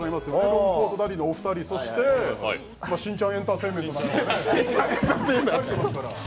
ロングコートダディのお二人、そしてしんちゃんエンターテインメント。